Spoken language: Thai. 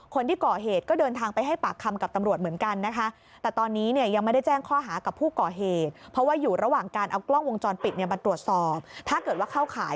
คนที่ก่อเหตุก็เดินทางไปให้ปากคำกับตำรวจเหมือนกันนะคะ